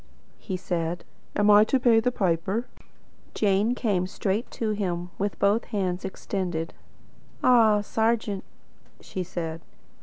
he said. "Am I to pay the piper?" Jane came straight to him, with both hands extended. "Ah, serjeant!" she said.